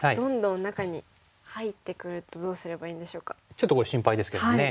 ちょっとこれ心配ですけどもね。